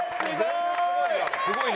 すごい！